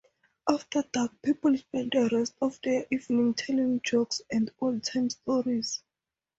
After dark, people spent the rest of the evening telling jokes and old-time stories.